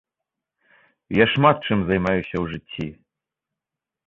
Я шмат чым займаюся ў жыцці.